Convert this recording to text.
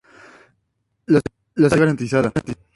La seguridad no está garantizada.